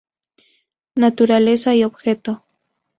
Naturaleza y objeto.